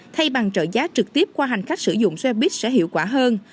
thay bằng trợ giá trực tiếp qua hành khách sử dụng xe buýt sẽ hiệu quả hơn